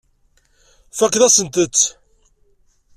Tfakkeḍ-asent-tt.